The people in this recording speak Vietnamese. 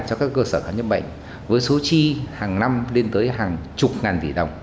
cho các cơ sở khám chữa bệnh với số chi hàng năm lên tới hàng chục ngàn tỷ đồng